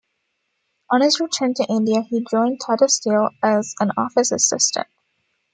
On his return to India he joined Tata Steel as an office assistant.